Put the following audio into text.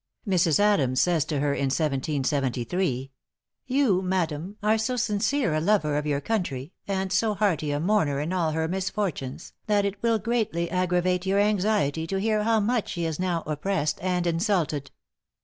Mrs. Adams says to her, in 1773, "You, madam, are so sincere a lover of your country, and so hearty a mourner in all her misfortunes, that it will greatly aggravate your anxiety to hear how much she is now oppressed and insulted.